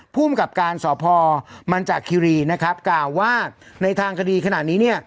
ภูมิกับการสพมันจากคิรีนะครับกล่าวว่าในทางคดีขนาดนี้เนี่ย